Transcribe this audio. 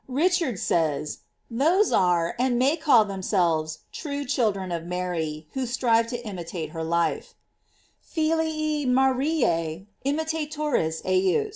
f Richard says, those are and may call themselves true children of Mary, who strive to imitate her life: "Filii Mariae imitatores ejus."